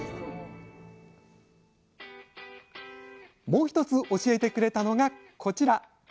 もう一つ教えてくれたのがこちら！